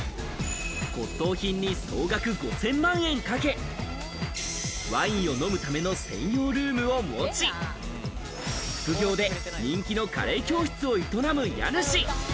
骨董品に総額５０００万円かけ、ワインを飲むための専用ルームを持ち、副業で人気のカレー教室を営む家主。